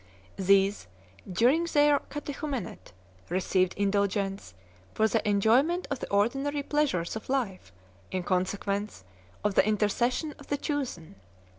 These, during their cate chumenate, received indulgence 1 for the enjoyment of the ordinary pleasures of life in consequence of the intercession of the Chosen.